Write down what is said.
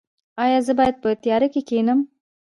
ایا زه باید په تیاره کې کینم؟